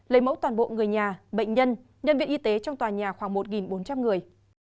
lấy mẫu toàn bộ người nhà bệnh nhân nhân viên y tế trong tòa nhà khoảng một bốn trăm linh người